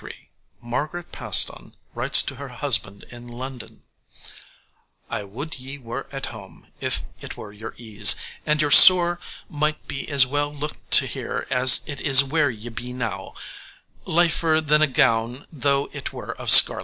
] September 28, 1443, Margaret Paston writes to her husband in London 'I would ye were at home, if it were your ease, and your sore might be as well looked to here as it is where ye be now, liefer than a gown though it were of scarlet.'